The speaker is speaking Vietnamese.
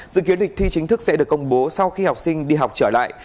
dự kiến lịch thi chính thức sẽ được công bố sau khi học sinh đi học trở lại